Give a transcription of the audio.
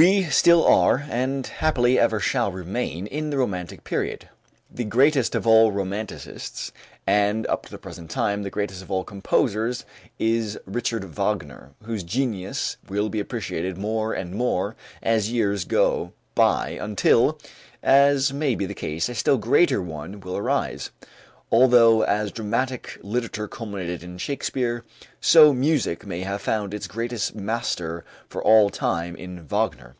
We still are and, happily, ever shall remain in the romantic period. The greatest of all romanticists and, up to the present time, the greatest of all composers is Richard Wagner, whose genius will be appreciated more and more as years go by until, as may be the case, a still greater one will arise; although as dramatic literature culminated in Shakespeare, so music may have found its greatest master for all time in Wagner.